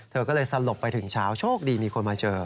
เธอก็เลยสลบไปถึงเช้าโชคดีมีคนมาเจอ